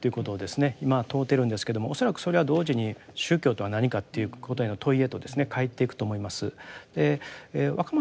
今問うてるんですけども恐らくそれは同時に宗教とは何かということへの問いへとかえっていくと思います。